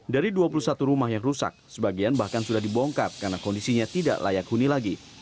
dari dua puluh satu rumah yang rusak sebagian bahkan sudah dibongkar karena kondisinya tidak layak huni lagi